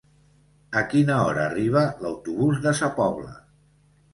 A quina hora arriba l'autobús de Sa Pobla?